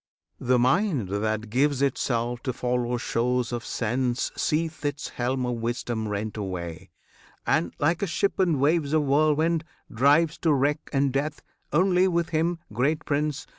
The mind That gives itself to follow shows of sense Seeth its helm of wisdom rent away, And, like a ship in waves of whirlwind, drives To wreck and death. Only with him, great Prince!